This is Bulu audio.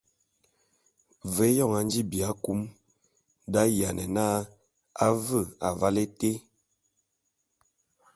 Ve éyoñ a nji bi akum d’ayiane na a ve avale éte.